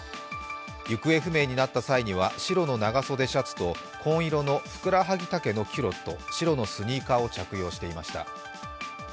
行方不明になった際には白の長袖シャツと紺色のふくらはぎ丈のキュロット、白のスニーカーを着用していました。